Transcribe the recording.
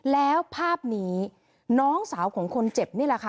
แล้วภาพนี้น้องสาวของคนเจ็บนี่แหละค่ะ